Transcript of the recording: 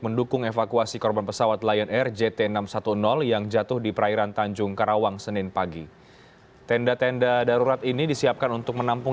penyakit jatuhnya pesawat lion air akan dibawa ke rumah sakit polri kramatjati jakarta timur